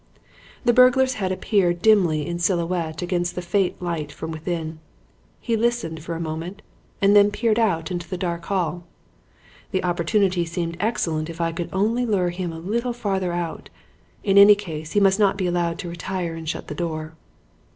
"The burglar's head appeared dimly in silhouette against the faint light from within. He listened for a moment and then peered out into the dark hall. The opportunity seemed excellent if I could only lure him a little farther out. In any case, he must not be allowed to retire and shut the door.